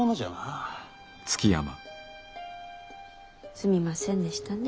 すみませんでしたね。